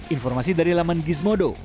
informasi dari laman gizmodo